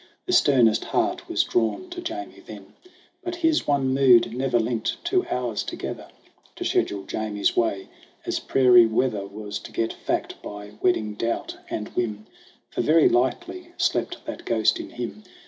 The sternest heart was drawn to Jamie then. But his one mood ne'er linked two hours together. To schedule Jamie's way, as prairie weather, Was to get fact by wedding doubt and whim ; For very lightly slept that ghost in him.